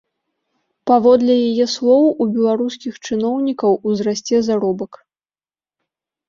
Паводле яе слоў, у беларускіх чыноўнікаў узрасце заробак.